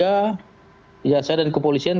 iya saya dan keputusan